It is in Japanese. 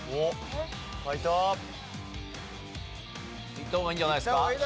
いった方がいいんじゃないですか？